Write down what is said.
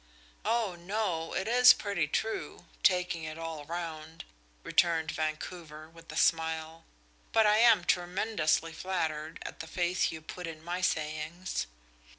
"Oh no; it is pretty true, taking it all round," returned Vancouver, with a smile. "But I am tremendously flattered at the faith you put in my sayings."